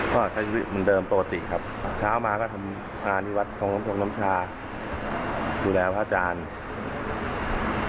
แล้วส่วนการค้าขายเรายังค้าขายอยู่ไหมครับ